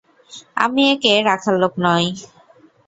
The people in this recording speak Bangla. আমি একে রাখার লোক নই।